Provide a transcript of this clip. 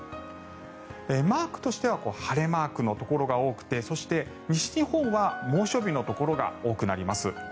マークとしては晴れマークのところが多くてそして、西日本は猛暑日のところが多くなります。